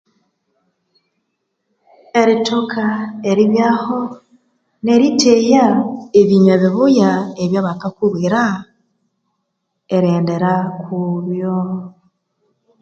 Erithoka eribyaho neritheya ebinywa bibuya ebya bakakubwira erighenderakubyo